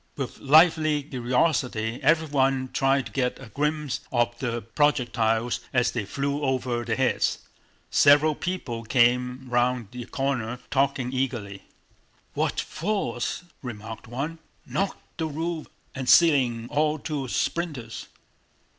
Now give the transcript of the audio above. With lively curiosity everyone tried to get a glimpse of the projectiles as they flew over their heads. Several people came round the corner talking eagerly. "What force!" remarked one. "Knocked the roof and ceiling all to splinters!"